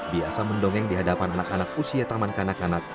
biasa mendongeng di hadapan anak anak usia taman kanak kanak